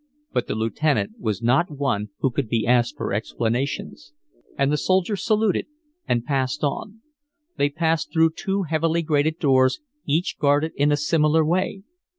But the lieutenant was not one who could be asked for explanations, and the soldier saluted and passed on. They passed through two heavily grated doors, each guarded in a similar way.